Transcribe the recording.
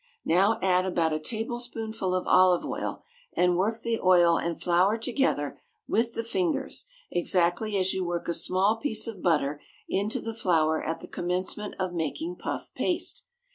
Now add about a tablespoonful of olive oil, and work the oil and flour together with the fingers exactly as you work a small piece of butter into the flour at the commencement of making puff paste.